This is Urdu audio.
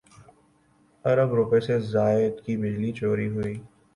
رب روپے سے زائد کی بجلی چوری ہوئی